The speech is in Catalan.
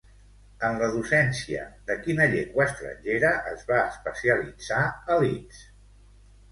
En la docència de quina llengua estrangera es va especialitzar a Leeds?